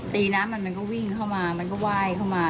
ตีน้ำมันก็วิ่งเข้ามามันก็วายเข้ามา